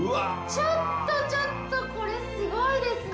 ちょっとちょっとこれすごいですね。